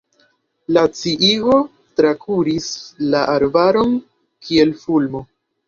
La sciigo trakuris la arbaron kiel fulmo.